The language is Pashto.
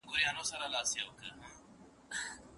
پوره اتلس سوه کاله مې خندا ورکړه خو